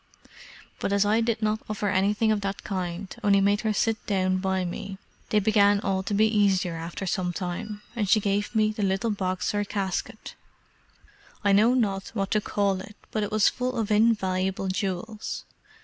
But as I did not offer anything of that kind, only made her sit down by me, they began all to be easier after some time, and she gave me the little box or casket, I know not what to call it, but it was full of invaluable jewels.